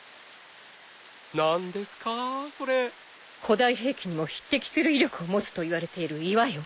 古代兵器にも匹敵する威力を持つといわれている岩よ。